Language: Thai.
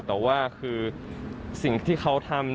แต่ว่าคือสิ่งที่เขาทำ